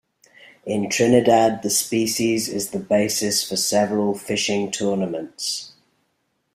In Trinidad, the species is the basis for several fishing tournaments.